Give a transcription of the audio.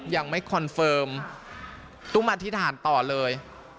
ยังไม่คอนเฟิร์มตุ้มอธิษฐานต่อเลย